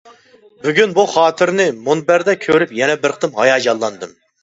بۈگۈن بۇ خاتىرىنى مۇنبەردە كۆرۈپ يەنە بىر قېتىم ھاياجانلاندىم.